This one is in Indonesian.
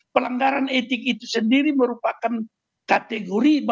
pelanggaran etik itu sendiri merupakan kategori